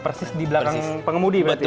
persis di belakang pengemudi berarti ya